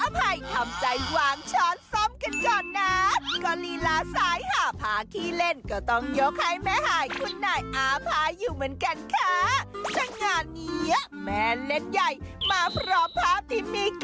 โปรดติดตามตอนต่อไป